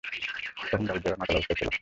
তখন গাড়ির ড্রাইভার মাতাল অবস্থায় ছিল।